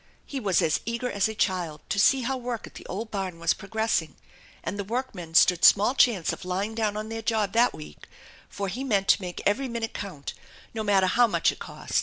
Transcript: He was as eager as a child to see how work at the old barn was progressing, and the workmen stood small chance of lying down on their job that week, for he meant to make every minute count, no matter how much it cost.